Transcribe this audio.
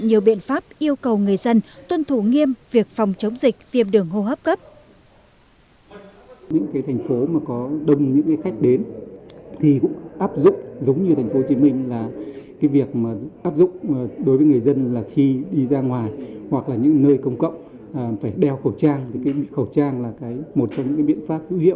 nhiều biện pháp yêu cầu người dân tuân thủ nghiêm việc phòng chống dịch viêm đường hô hấp cấp